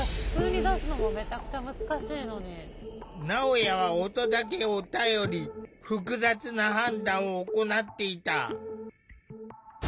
なおやは音だけを頼り複雑な判断を行っていた。